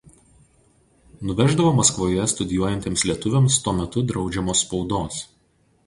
Nuveždavo Maskvoje studijuojantiems lietuviams tuo metu draudžiamos spaudos.